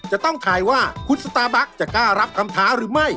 จะต้องถ่ายว่าคุณสตาร์บัคจะกล้ารับคำท้าหรือไม่